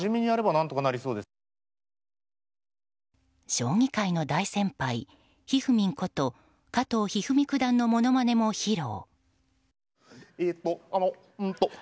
将棋界の大先輩ひふみんこと加藤一二三九段のものまねも披露。